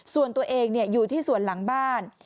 ส่วนตัวเองอยู่ที่ส่วนหลังบ้าน